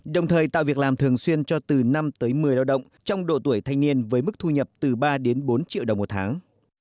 đồng thời tạo việc làm thường xuyên cho từ năm tới một mươi lao động trong độ tuổi thanh niên với mức thu nhập từ ba đến bốn triệu đồng một tháng